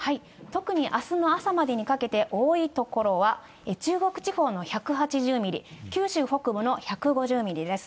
特にあすの朝までにかけて、多い所は、中国地方の１８０ミリ、九州北部の１５０ミリです。